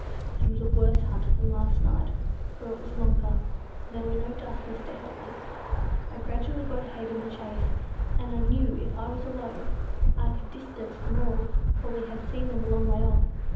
It was a worse hunt than last night, for it was longer, and there was no darkness to help me. I gradually got ahead in the chase, and I knew if I were alone I could distance them all; for we had seen them a long way off.